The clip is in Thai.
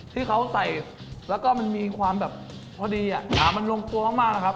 ที่เขาใส่แล้วก็มันมีความแบบพอดีมันลงตัวมากนะครับ